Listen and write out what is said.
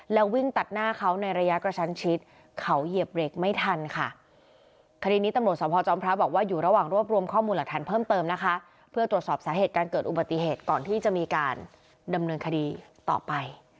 แล้ววิ่งตัดหน้าเขาในระยะกระชั้นชิดเขาเหยียบเหล็กไม่ทันค่ะ